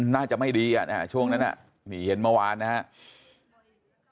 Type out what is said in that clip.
น่าจะไม่ดีช่วงนั้นนี่เห็นเมื่อวานนะครับ